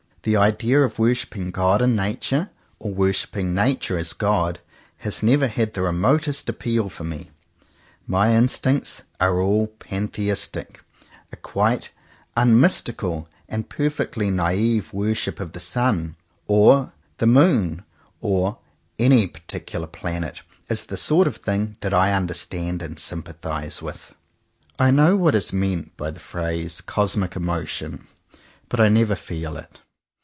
The idea of worshipping God in Nature, or worshipping Nature as God, has never had the remotest appeal for me. My instincts are all Polytheistic. A quite unmystical and perfectly naive worship of the sun or the moon or of any particular planet, is the sort of thing that I understand and sympathize with. I know what is meant by the phrase ''cosmic emotion" but I never feel it.